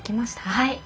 はい。